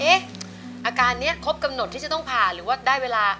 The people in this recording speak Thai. อาการนี้ครบกำหนดที่จะต้องผ่าหรือว่าได้เวลา